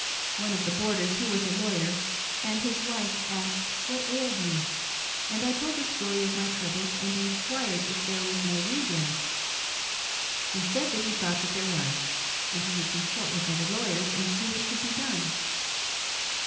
One of the boarders — ^who was a lawyer — and his wife, asked what ailed me, and I told the story of my troubles and inquired if there was no redress; He said that he thought that there was and he would consult with other lawyers and see what could be done.